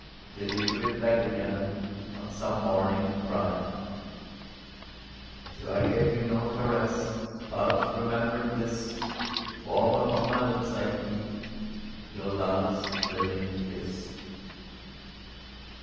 Till you give it back again On some morning bright." So I gave you no caress ; But, remembering this. Warm upon my lips I keep Your last living kiss